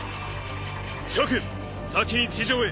諸君先に地上へ。